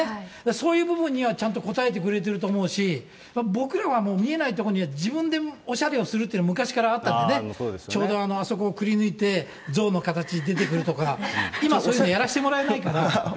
そういう部分にはちゃんと応えてくれてると思うし、僕らはもう、見えない所には、自分でおしゃれをするっていうのは昔からあったんでね、ちょうどあそこをくりぬいて、象の形で出てくるとか、今そういうのやらせてもらえなかったから。